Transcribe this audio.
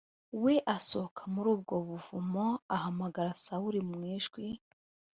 we asohoka muri ubwo buvumo ahamagara sawuli mu ijwi